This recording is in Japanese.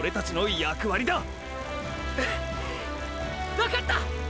わかった！！